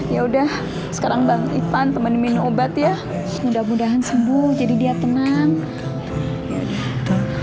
ya udah sekarang bang ivan temen minum obat ya mudah mudahan sembuh jadi dia tenang